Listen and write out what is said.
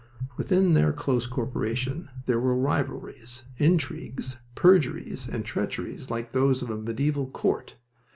Within their close corporation there were rivalries, intrigues, perjuries, and treacheries like those of a medieval court.